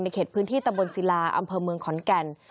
เขตพื้นที่ตะบนศิลาอำเภอเมืองขอนแก่น